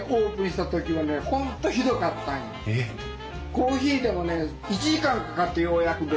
コーヒーでもね１時間かかってようやく出る。